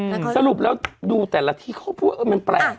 อืมสรุปแล้วดูแต่ละที่เขาพูดมันแปล